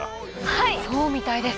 はいそうみたいです。